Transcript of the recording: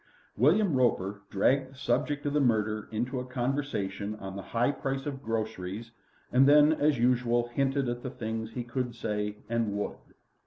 William Roper dragged the subject of the murder into a conversation on the high price of groceries, and then, as usual, hinted at the things he could say and he would.